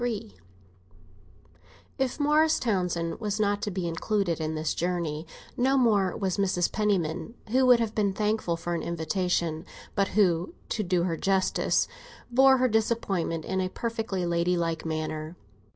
XXIII IF Morris Townsend was not to be included in this journey, no more was Mrs. Penniman, who would have been thankful for an invitation, but who (to do her justice) bore her disappointment in a perfectly ladylike manner.